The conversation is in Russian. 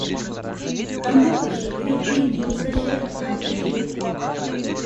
Кондукторша берёт деньги и возвращает обратно билет.